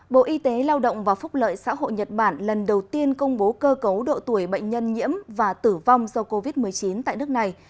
bộ y tế lao động và phúc lợi xã hội nhật bản lần đầu tiên công bố cơ cấu độ tuổi bệnh nhân nhiễm và tử vong do covid một mươi chín tại nước này